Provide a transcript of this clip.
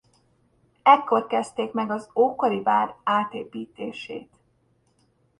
Ekkor kezdték meg az ókori vár átépítését.